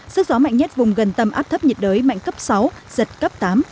sức gió mạnh nhất vùng gần tâm áp thấp nhiệt đới mạnh cấp sáu giật cấp tám